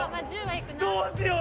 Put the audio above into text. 「どうしよう？